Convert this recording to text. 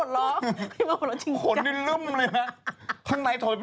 แล้วจากหนุ่มสเปนอะไรอ่ะ